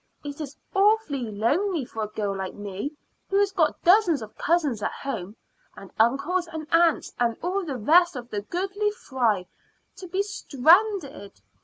It is awfully lonely for a girl like me, who has got dozens of cousins at home, and uncles and aunts and all the rest of the goodly fry, to be stranded.